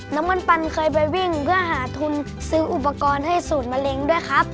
น้ำมันปันเคยไปวิ่งเพื่อหาทุนซื้ออุปกรณ์ให้สูตรมะเร็งด้วยครับ